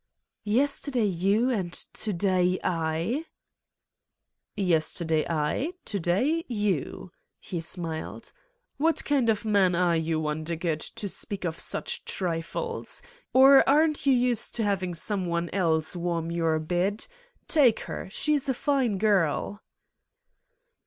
"Yesterday, you, and to day, If" " Yesterday I, to day, you." He smiled: "What kind of man are you, Wondergood, to speak of such trifles. Or aren't you used to hav ing some one else warm your bed? Take her. She is a fine girl."